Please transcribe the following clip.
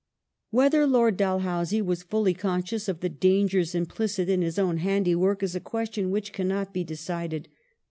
Whether Lord Dalhousie was fully conscious of the dangei s implicit in his own handiwork is a question which cannot be decided.